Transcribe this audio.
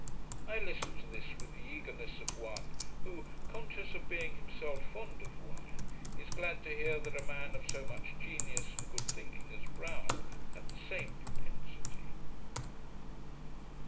I listened to this with the eagerness of one, who, conscious of being himself fond of wine, is glad to hear that a man of so much genius and good thinking as Browne had the same propensity.